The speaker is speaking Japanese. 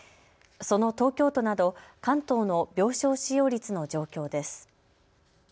その東京都など関東の病床使用率の状況です。